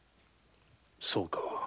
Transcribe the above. そうか。